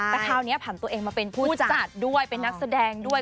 แต่คราวนี้ผ่านตัวเองมาเป็นผู้จัดด้วยเป็นนักแสดงด้วย